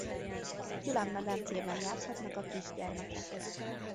Külön medencében játszhatnak a kisgyermekek.